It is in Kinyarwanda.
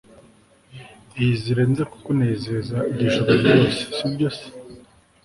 iyizire nze kukunezeza iri joro ryose sibyo se